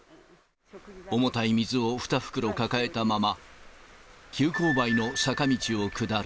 重たい水を２袋抱えたまま、急勾配の坂道を下る。